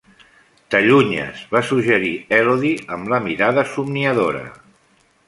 "T'allunyes", va suggerir Elodie amb la mirada somniadora.